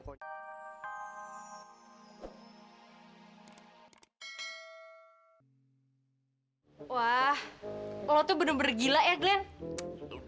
kalau tuh bener bener gila ya glenn